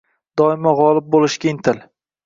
Doimo g‘olib bo‘lishga intil.